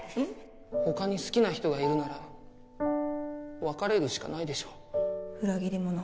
他に好きな人がいるなら別れるしかないで裏切り者！